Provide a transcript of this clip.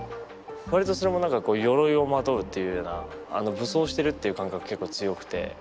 わりとそれもなんかこう鎧をまとうっていうような武装してるっていう感覚結構強くて。